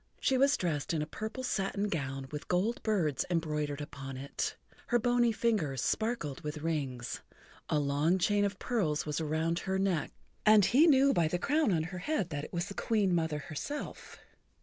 She was dressed in a purple satin gown with gold birds embroidered upon it, her bony fingers sparkled with rings, a long chain of pearls was around her neck, and he knew by the crown on her head that it was the Queen Mother herself.